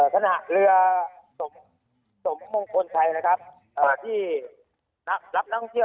ครับเอ่อขณะเรือสมสมมงคลไทยนะครับเอ่อที่รับรับนั่งเที่ยว